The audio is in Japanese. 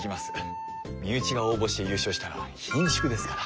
身内が応募して優勝したらひんしゅくですから。